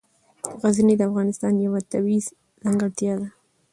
غزني د افغانستان یوه طبیعي ځانګړتیا ده.